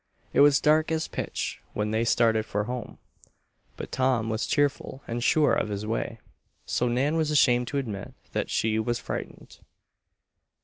It was dark as pitch when they started for home, but Tom was cheerful and sure of his way, so Nan was ashamed to admit that she was frightened.